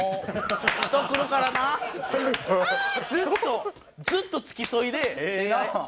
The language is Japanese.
ずっとずっと付き添いで。